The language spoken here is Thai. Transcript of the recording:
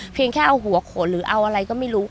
เพียงแค่เอาหัวโขนหรือเอาอะไรก็ไม่รู้